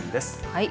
はい。